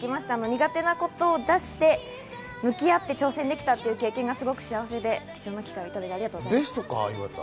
苦手なことを出して向き合って挑戦できたという経験がすごく幸せで、そういう経験をいただいて、ありがとうございました。